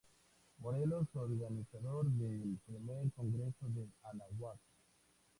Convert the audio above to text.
Morelos, organizador del Primer Congreso de Anáhuac.